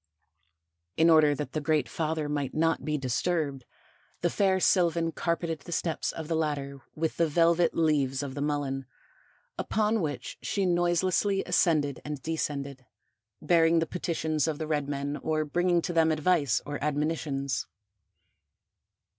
In order that the Great Father might not be disturbed, the fair sylvan carpeted the steps of the ladder with the velvet leaves of the Mullen, upon which she noiselessly ascended and descended, bearing the petitions of the red men or bringing to them advice or admonitions.